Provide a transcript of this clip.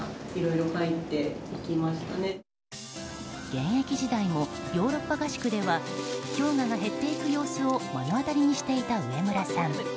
現役時代もヨーロッパ合宿では氷河が減っていく様子を目の当たりにしていた上村さん。